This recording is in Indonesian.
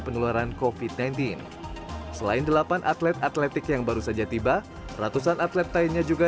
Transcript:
penularan kofit sembilan belas selain delapan atlet atletik yang baru saja tiba ratusan atlet lainnya juga